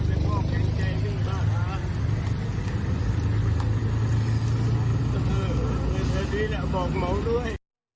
เออเห็นแค่นี้แหละบอกเมาด้วย